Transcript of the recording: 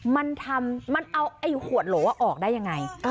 มันเอาไอ้ขวดหลวะออกได้ยังไง